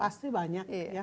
pasti banyak ya